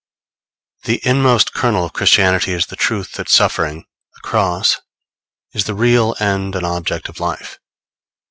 The inmost kernel of Christianity is the truth that suffering the Cross is the real end and object of life.